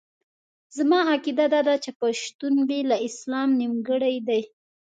زما عقیده داده چې پښتون بې له اسلام نیمګړی دی.